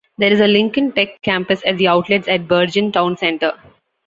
There is a Lincoln Tech campus at The Outlets at Bergen Town Center.